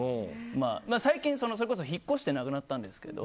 最近、それこそ引っ越してなくなったんですけど。